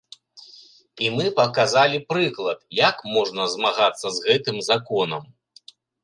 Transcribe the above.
І мы паказалі прыклад, як можна змагацца з гэтым законам.